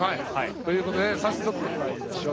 ということで早速まいりましょう。